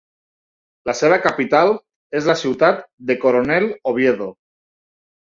La seva capital és la ciutat de Coronel Oviedo.